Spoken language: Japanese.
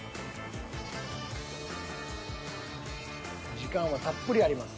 時間はたっぷりあります。